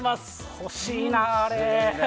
欲しいな、あれ！